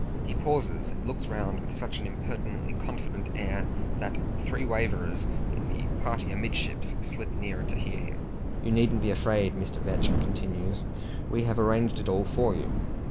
He pauses, and looks round with such an impertinently confident air, that three waverers in the party amidships slip nearer to hear him. "You needn't be afraid," Mr. Vetch continues, "we have arranged it all for you.